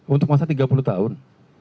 untuk masa tiga puluh tahun